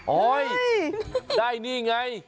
โอ๊ยได้นี่ไง